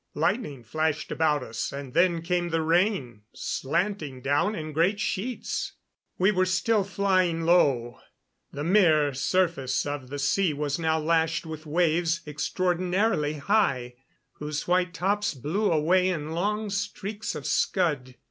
Lightning flashed about us, and then came the rain, slanting down in great sheets. We were still flying low. The mirror surface of the sea was now lashed with waves, extraordinarily high, whose white tops blew away in long streaks of scud.